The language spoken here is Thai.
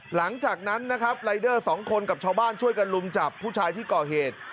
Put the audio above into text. หลังจากนั้นนะครับรายเดอร์สองคนกับชาวบ้านช่วยกันลุมจับผู้ชายที่ก่อเหตุ